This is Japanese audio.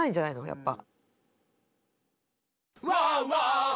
やっぱ。